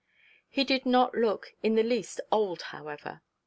He did not look in the least old, however.